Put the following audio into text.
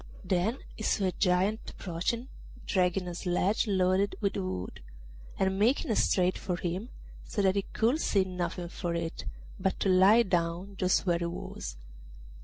Then he saw a Giant approaching, dragging a sledge loaded with wood, and making straight for him, so that he could see nothing for it but to lie down just where he was.